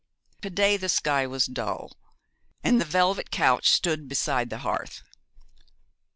To day the sky was dull, and the velvet couch stood beside the hearth.